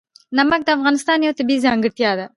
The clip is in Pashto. نمک د افغانستان یوه طبیعي ځانګړتیا ده.